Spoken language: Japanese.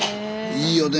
いいよね。